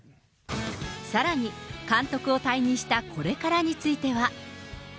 さらに、監督を退任したこれからについては。